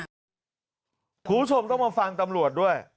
คุณผู้ชมต้องมาฟังตำรวจด้วย